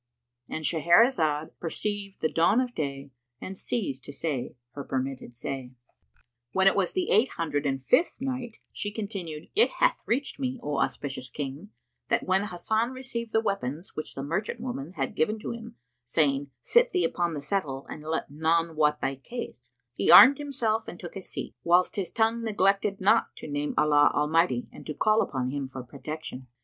—And Shahrazad perceived the dawn of day and ceased to say her permitted say. When it was the Eight Hundred and Fifth Night, She continued, It hath reached me, O auspicious King, that when Hasan received the weapons which the merchant woman had given to him, saying, "Sit thee upon the settle and let none wot thy case," he armed himself and took his seat, whilst his tongue neglected not to name Allah Almighty and to call upon Him for protection.